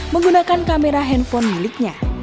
menggunakan kamera handphone miliknya